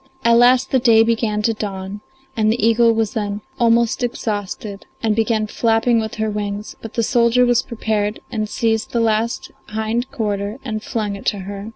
At last the day began to dawn, and the eagle was then almost exhausted and began flapping with her wings, but the soldier was prepared and seized the last hind quarter and flung it to her.